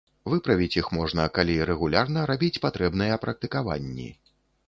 Выправіць іх можна, калі рэгулярна рабіць патрэбныя практыкаванні.